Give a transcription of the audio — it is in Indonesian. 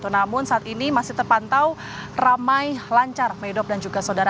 namun saat ini masih terpantau ramai lancar medok dan juga saudara